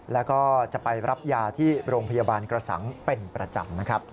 แล้วก็จะไปรับยาที่โรงพยาบาลกระสังเป็นประจำนะครับ